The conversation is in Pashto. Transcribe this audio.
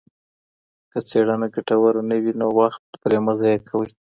که څېړنه ګټوره نه وي نو وخت پرې مه ضایع کوئ.